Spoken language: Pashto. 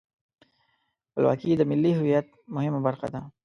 خپلواکي د ملي هویت مهمه برخه ده.